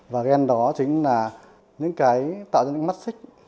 và gen đó chính là những cái tạo ra những mắt xích